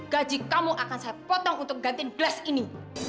gaji kamu akan saya potong untuk gantiin glas ini